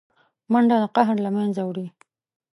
منډه د قهر له منځه وړي